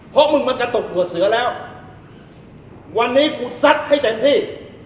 เพราะมึงมากระตกหัวเสือแล้ววันนี้กูซัดให้เต็มที่